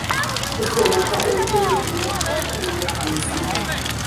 Kisoboka okwewalira ddala endwadde ezimu.